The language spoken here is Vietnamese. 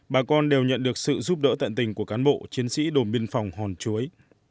bà con đều nhận được sự giúp đỡ tận tình của cán bộ chiến sĩ đồn biên phòng hòn chuối